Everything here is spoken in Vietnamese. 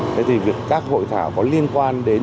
thế thì các hội thảo có liên quan đến